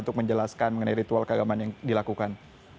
untuk menjelaskan mengenai ritual keagamaan yang dilakukan